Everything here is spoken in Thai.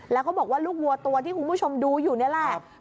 แล้วเขาบอกว่าลูกวัวตัวที่คุณผู้ชมดูอยู่นี่แหละ